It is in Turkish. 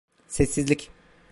Sessizlik.